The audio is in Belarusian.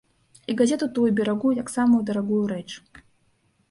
І газету тую берагу, як самую дарагую рэч.